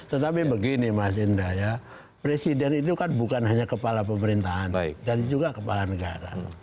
tetapi begini mas indra ya presiden itu kan bukan hanya kepala pemerintahan dan juga kepala negara